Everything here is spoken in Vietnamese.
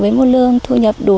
với một lương thu nhập đủ